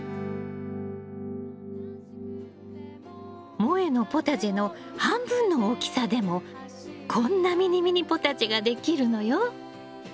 もえのポタジェの半分の大きさでもこんなミニミニポタジェができるのよ。